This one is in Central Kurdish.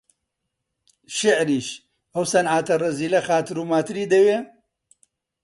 شیعریش، ئەو سنعاتە ڕەزیلە خاتر و ماتری دەوێ؟